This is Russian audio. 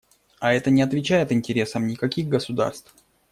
А это не отвечает интересам никаких государств.